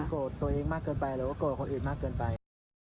โกรธตัวเองมากเกินไปหรือว่าโกรธคนอื่นมากเกินไป